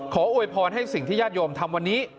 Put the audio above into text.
โวยพรให้สิ่งที่ญาติโยมทำวันนี้